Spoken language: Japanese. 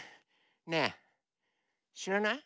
ねえしらない？